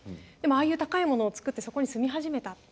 でもああいう高いものを造ってそこに住み始めた。